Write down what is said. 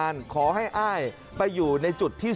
และก็มีการกินยาละลายริ่มเลือดแล้วก็ยาละลายขายมันมาเลยตลอดครับ